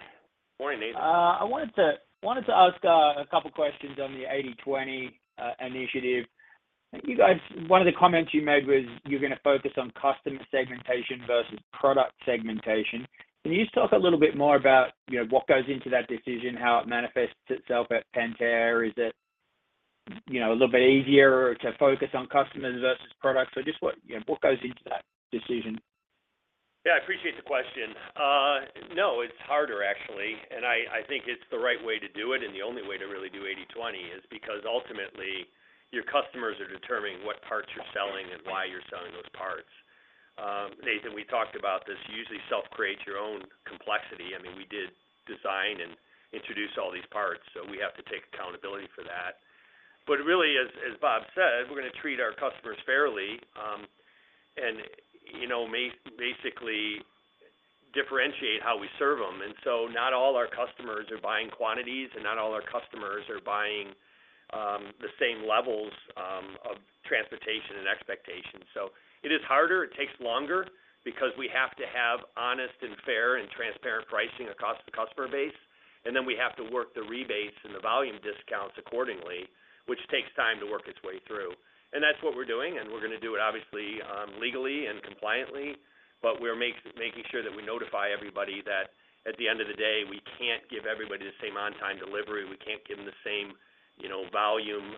Morning, Nathan. I wanted to, wanted to ask a couple of questions on the 80/20 initiative. You guys, one of the comments you made was you're gonna focus on customer segmentation versus product segmentation. Can you just talk a little bit more about, you know, what goes into that decision, how it manifests itself at Pentair? Is it, you know, a little bit easier to focus on customers versus products, so just what, you know, what goes into that decision? Yeah, I appreciate the question. No, it's harder, actually, and I think it's the right way to do it, and the only way to really do 80/20 is because ultimately, your customers are determining what parts you're selling and why you're selling those parts. Nathan, we talked about this. You usually self-create your own complexity. I mean, we did design and introduce all these parts, so we have to take accountability for that. But really, as Bob said, we're gonna treat our customers fairly, and you know, basically differentiate how we serve them. And so not all our customers are buying quantities, and not all our customers are buying the same levels of transportation and expectation. So it is harder, it takes longer because we have to have honest and fair and transparent pricing across the customer base, and then we have to work the rebates and the volume discounts accordingly, which takes time to work its way through. And that's what we're doing, and we're gonna do it, obviously, legally and compliantly, but we're making sure that we notify everybody that at the end of the day, we can't give everybody the same on-time delivery. We can't give them the same, you know, volume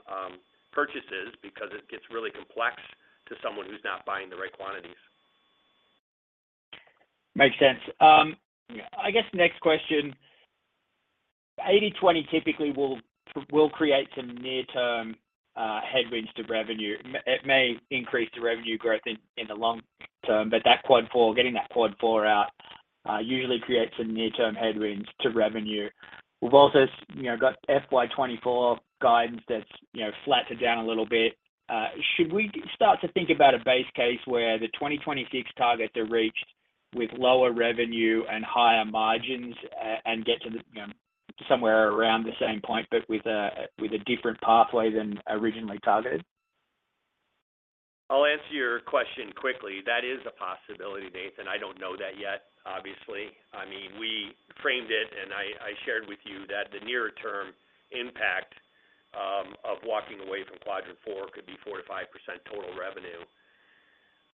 purchases because it gets really complex to someone who's not buying the right quantities. Makes sense. I guess next question: 80/20 typically will, will create some near-term headwinds to revenue. It may increase the revenue growth in, in the long term, but that Q4, getting that Q4 out, usually creates some near-term headwinds to revenue. We've also, you know, got FY 2024 guidance that's, you know, flattened down a little bit. Should we start to think about a base case where the 2026 targets are reached with lower revenue and higher margins, and get to the, you know, somewhere around the same point, but with a, with a different pathway than originally targeted? I'll answer your question quickly. That is a possibility, Nathan. I don't know that yet, obviously. I mean, we framed it, and I, I shared with you that the nearer term impact of walking away from quadrant four could be 4%-5% total revenue.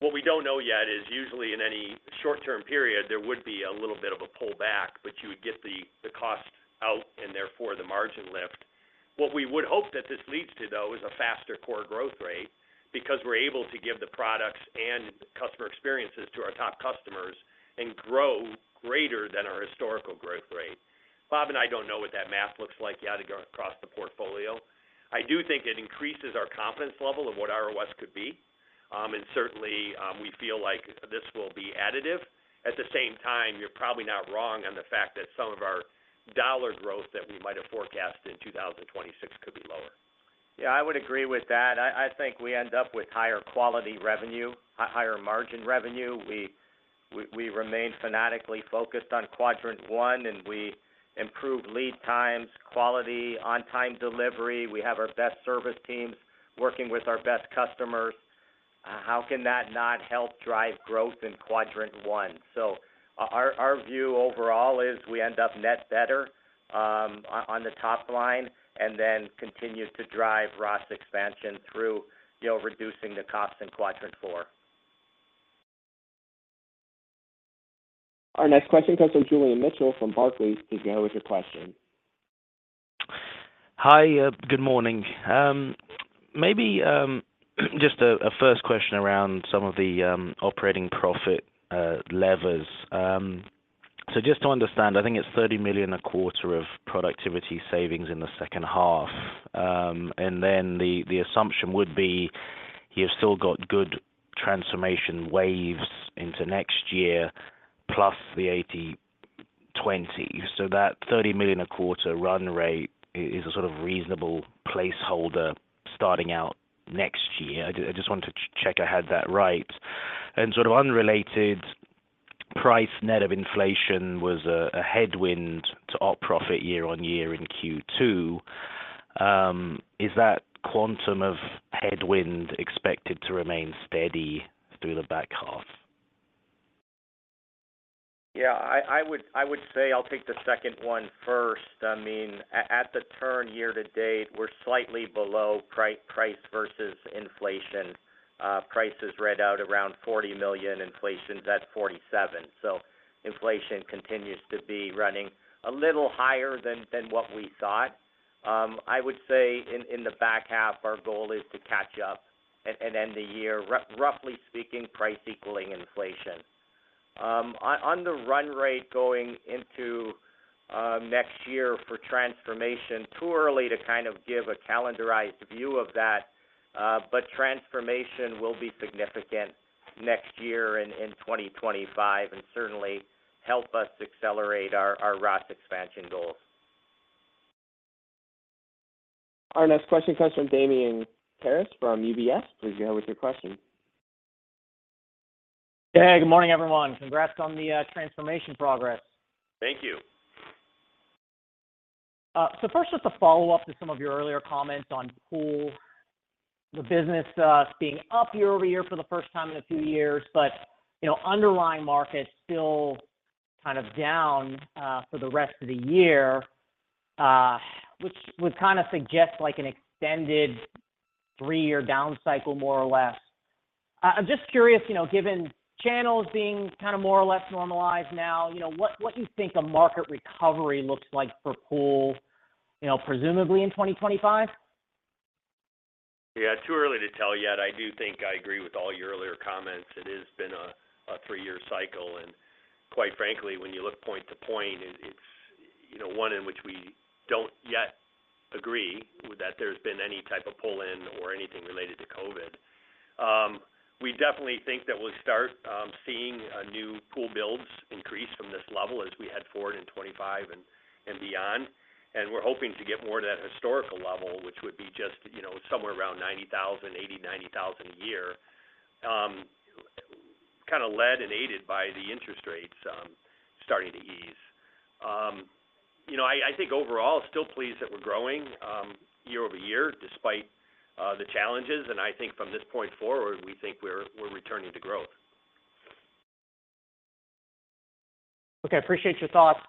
What we don't know yet is usually in any short-term period, there would be a little bit of a pullback, but you would get the, the cost out and therefore the margin lift. What we would hope that this leads to, though, is a faster core growth rate, because we're able to give the products and customer experiences to our top customers and grow greater than our historical growth rate. Bob and I don't know what that math looks like yet across the portfolio. I do think it increases our confidence level of what ROS could be. Certainly, we feel like this will be additive. At the same time, you're probably not wrong on the fact that some of our dollar growth that we might have forecasted in 2026 could be lower. Yeah, I would agree with that. I think we end up with higher quality revenue, higher margin revenue. We remain fanatically focused on quadrant one, and we improve lead times, quality, on-time delivery. We have our best service teams working with our best customers. How can that not help drive growth in quadrant one? So our view overall is we end up net better on the top line and then continue to drive ROS expansion through, you know, reducing the costs in quadrant four. Our next question comes from Julian Mitchell from Barclays. Please go with your question. Hi, good morning. Maybe just a first question around some of the operating profit levers. So just to understand, I think it's $30 million a quarter of productivity savings in the second half. And then the assumption would be, you've still got good transformation waves into next year, plus the 80/20. So that $30 million a quarter run rate is a sort of reasonable placeholder starting out next year. I just wanted to check I had that right. And sort of unrelated, price net of inflation was a headwind to op profit year-over-year in Q2. Is that quantum of headwind expected to remain steady through the back half? Yeah, I would say I'll take the second one first. I mean, at the year to date, we're slightly below price versus inflation. Price is right around $40 million, inflation's at $47 million. So inflation continues to be running a little higher than what we thought. I would say in the back half, our goal is to catch up and end the year, roughly speaking, price equaling inflation. On the run rate going into next year for transformation, too early to kind of give a calendarized view of that, but transformation will be significant next year in 2025, and certainly help us accelerate our ROS expansion goals. Our next question comes from Damian Karas from UBS. Please go with your question. Hey, good morning, everyone. Congrats on the transformation progress. Thank you. So first, just a follow-up to some of your earlier comments on pool. The business, being up year-over-year for the first time in a few years, but, you know, underlying markets still kind of down, for the rest of the year, which would kind of suggest like an extended three-year down cycle, more or less. I'm just curious, you know, given channels being kind of more or less normalized now, you know, what, what do you think a market recovery looks like for pool, you know, presumably in 2025? Yeah, it's too early to tell yet. I do think I agree with all your earlier comments. It has been a three-year cycle, and quite frankly, when you look point to point, it's, you know, one in which we don't yet agree that there's been any type of pull in or anything related to COVID. We definitely think that we'll start seeing new pool builds increase from this level as we head forward in 2025 and beyond. And we're hoping to get more to that historical level, which would be just, you know, somewhere around 90,000, 80,000-90,000 a year, kinda led and aided by the interest rates starting to ease. You know, I think overall, still pleased that we're growing year-over-year, despite the challenges. I think from this point forward, we think we're returning to growth. Okay, appreciate your thoughts.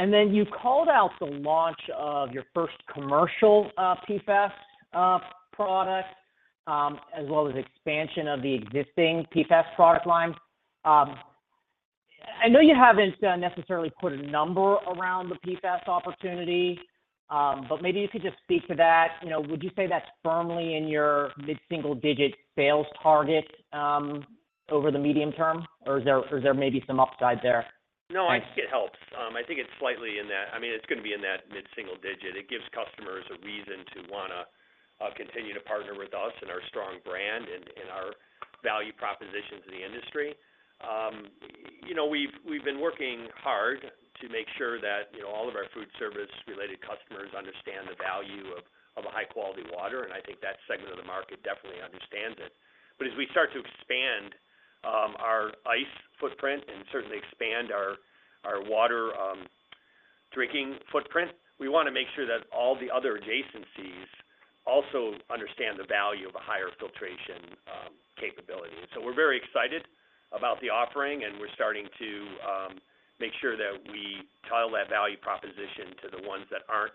And then you called out the launch of your first commercial, PFAS, product, as well as expansion of the existing PFAS product line. I know you haven't necessarily put a number around the PFAS opportunity, but maybe you could just speak to that. You know, would you say that's firmly in your mid-single digit sales target, over the medium term, or is there, is there maybe some upside there? No, I think it helps. I mean, it's gonna be in that mid-single digit. It gives customers a reason to wanna continue to partner with us and our strong brand and, and our value proposition to the industry. You know, we've, we've been working hard to make sure that, you know, all of our food service-related customers understand the value of, of a high-quality water, and I think that segment of the market definitely understands it. But as we start to expand our ice footprint and certainly expand our, our water drinking footprint, we wanna make sure that all the other adjacencies also understand the value of a higher filtration capability. So we're very excited about the offering, and we're starting to make sure that we tile that value proposition to the ones that aren't...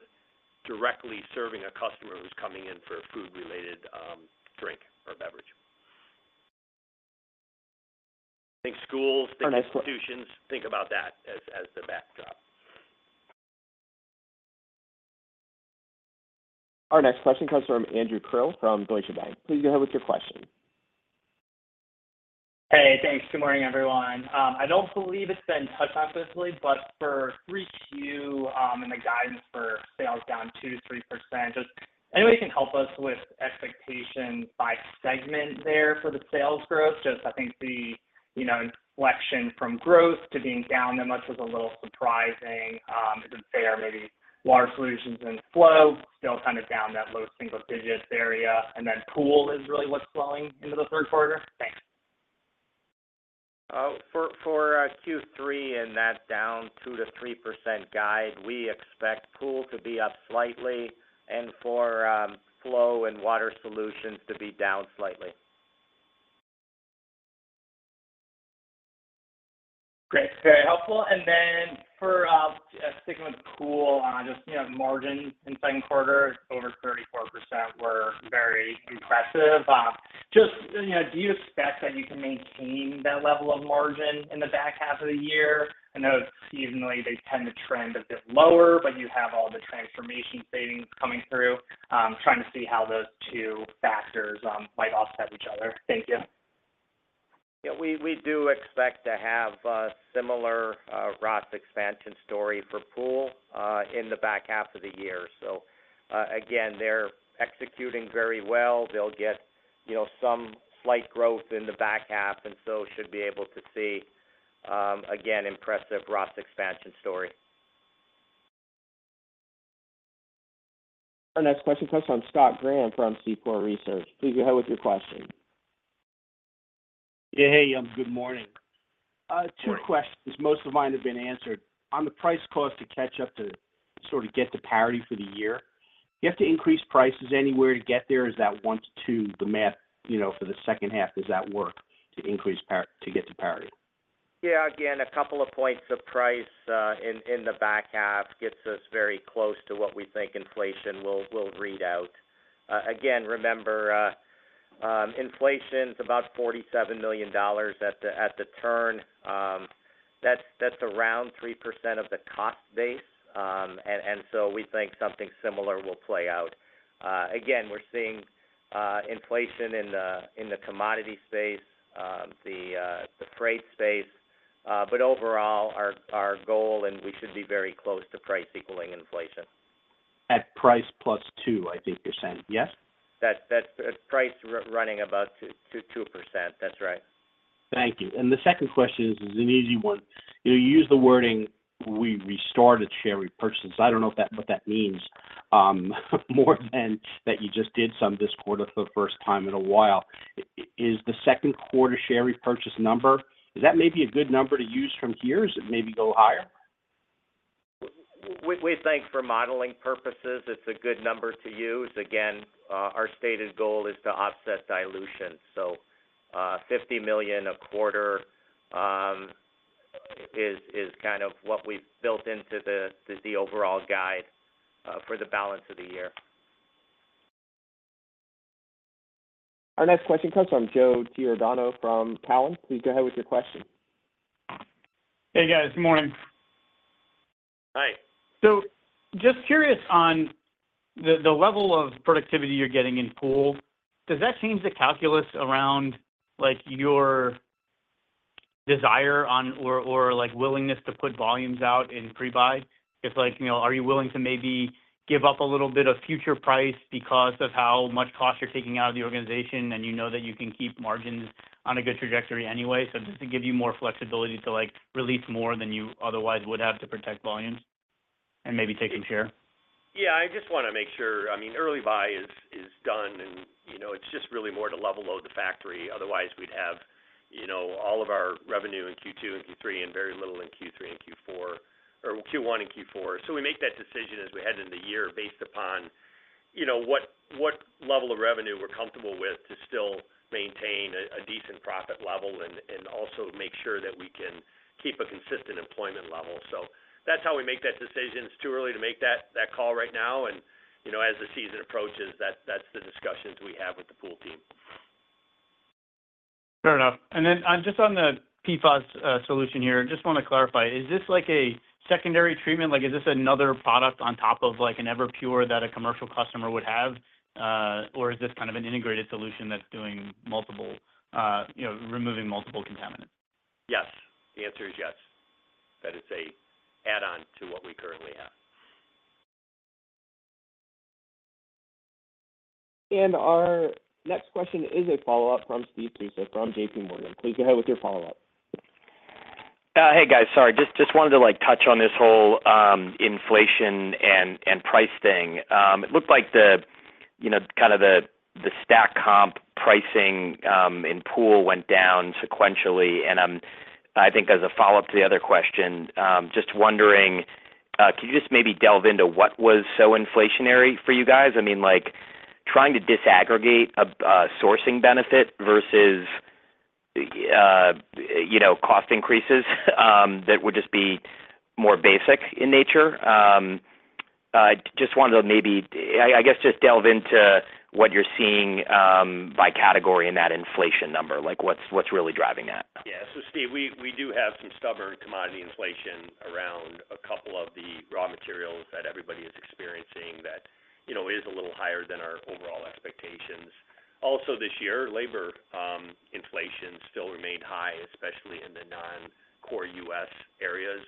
directly serving a customer who's coming in for a food-related, drink or beverage. Think schools- Our next- Think institutions, think about that as, as the backdrop. Our next question comes from Andrew Krill from Deutsche Bank. Please go ahead with your question. Hey, thanks. Good morning, everyone. I don't believe it's been touched on this way, but for Q3, and the guidance for sales down 2%-3%, just anybody can help us with expectations by segment there for the sales growth? Just I think the, you know, inflection from growth to being down that much was a little surprising. Is it fair, maybe Water Solutions and Flow still kind of down that low single digits area, and then Pool is really what's flowing into the Q3? Thanks. For Q3, and that's down 2%-3% guide, we expect Pool to be up slightly and for Flow and Water Solutions to be down slightly. Great. Very helpful. And then for sticking with Pool, just, you know, margin in Q2, over 34% were very impressive. Just, you know, do you expect that you can maintain that level of margin in the back half of the year? I know seasonally, they tend to trend a bit lower, but you have all this transformation savings coming through. Trying to see how those two factors might offset each other. Thank you. Yeah, we do expect to have a similar ROS expansion story for Pool in the back half of the year. So, again, they're executing very well. They'll get, you know, some slight growth in the back half, and so should be able to see, again, impressive ROS expansion story. Our next question comes from Scott Graham from Seaport Research. Please go ahead with your question. Yeah, hey, good morning. Good morning. Two questions. Most of mine have been answered. On the price cost to catch up to sort of get to parity for the year, do you have to increase prices anywhere to get there? Is that 1 to 2, the math, you know, for the second half, does that work to increase parity to get to parity? Yeah, again, a couple of points of price in the back half gets us very close to what we think inflation will read out. Again, remember, inflation is about $47 million at the turn. That's around 3% of the cost base, and so we think something similar will play out. Again, we're seeing inflation in the commodity space, the freight space, but overall, our goal, and we should be very close to price equaling inflation. At price plus two, I think you're saying, yes? That's pricing running about 2%-2%. That's right. Thank you. And the second question is an easy one. You use the wording, "We restored a share repurchase." I don't know if that—what that means more than that you just did some this quarter for the first time in a while. Is the Q2 share repurchase number, is that maybe a good number to use from here, or is it maybe go higher? We think for modeling purposes, it's a good number to use. Again, our stated goal is to offset dilution. So, $50 million a quarter is kind of what we've built into the overall guide for the balance of the year. Our next question comes from Joe Giordano from Cowen. Please go ahead with your question. Hey, guys. Good morning. Hi. So just curious on the level of productivity you're getting in Pool, does that change the calculus around, like, your desire or, like, willingness to put volumes out in pre-buy? If, like, you know, are you willing to maybe give up a little bit of future price because of how much cost you're taking out of the organization, and you know that you can keep margins on a good trajectory anyway? So just to give you more flexibility to, like, release more than you otherwise would have to protect volumes and maybe taking share. Yeah, I just wanna make sure, I mean, early buy is, is done, and, you know, it's just really more to level load the factory. Otherwise, we'd have, you know, all of our revenue in Q2 and Q3 and very little in Q3 and Q4, or Q1 and Q4. So we make that decision as we head into the year based upon, you know, what, what level of revenue we're comfortable with to still maintain a, a decent profit level and, and also make sure that we can keep a consistent employment level. So that's how we make that decision. It's too early to make that, that call right now, and, you know, as the season approaches, that's, that's the discussions we have with the Pool team. Fair enough. And then, just on the PFAS solution here, just wanna clarify, is this like a secondary treatment? Like, is this another product on top of, like, an Everpure that a commercial customer would have, or is this kind of an integrated solution that's doing multiple, you know, removing multiple contaminants? Yes. The answer is yes. That is an add-on to what we currently have. Our next question is a follow-up from Stephen Tusa from J.P. Morgan. Please go ahead with your follow-up. Hey, guys, sorry, just, just wanted to, like, touch on this whole inflation and price thing. It looked like the, you know, kind of the, the stack comp pricing in Pool went down sequentially, and I think as a follow-up to the other question, just wondering, can you just maybe delve into what was so inflationary for you guys? I mean, like, trying to disaggregate a sourcing benefit versus-... you know, cost increases, that would just be more basic in nature. Just wanted to maybe, I guess, just delve into what you're seeing, by category in that inflation number. Like, what's really driving that? Yeah. So Steve, we do have some stubborn commodity inflation around a couple of the raw materials that everybody is experiencing that, you know, is a little higher than our overall expectations. Also, this year, labor inflation still remained high, especially in the non-core U.S. areas,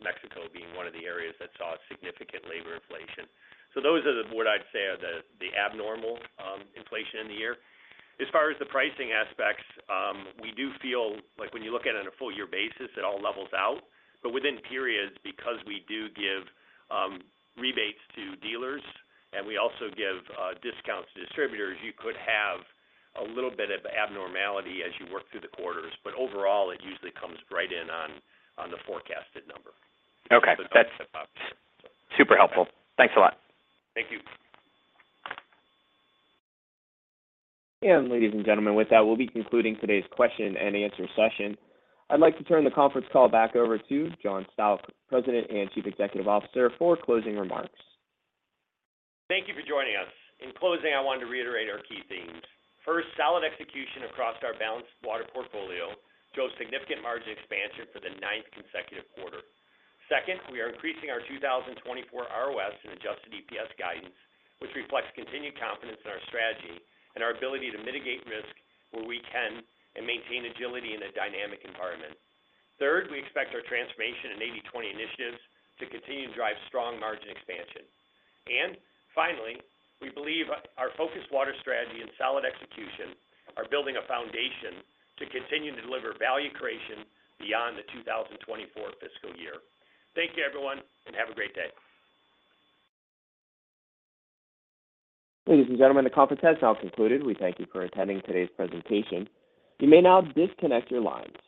Mexico being one of the areas that saw significant labor inflation. So those are the, what I'd say are the abnormal inflation in the year. As far as the pricing aspects, we do feel like when you look at it on a full year basis, it all levels out. But within periods, because we do give rebates to dealers, and we also give discounts to distributors, you could have a little bit of abnormality as you work through the quarters, but overall, it usually comes right in on the forecasted number. Okay. That's super helpful. Thanks a lot. Thank you. Ladies and gentlemen, with that, we'll be concluding today's question and answer session. I'd like to turn the conference call back over to John Stauch, President and Chief Executive Officer, for closing remarks. Thank you for joining us. In closing, I wanted to reiterate our key themes. First, solid execution across our balanced water portfolio drove significant margin expansion for the ninth consecutive quarter. Second, we are increasing our 2024 ROS and adjusted EPS guidance, which reflects continued confidence in our strategy and our ability to mitigate risk where we can and maintain agility in a dynamic environment. Third, we expect our transformation in 80/20 initiatives to continue to drive strong margin expansion. And finally, we believe our focused water strategy and solid execution are building a foundation to continue to deliver value creation beyond the 2024 fiscal year. Thank you, everyone, and have a great day. Ladies and gentlemen, the conference has now concluded. We thank you for attending today's presentation. You may now disconnect your lines.